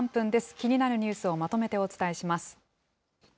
気になるニュースをまとめてお伝えします。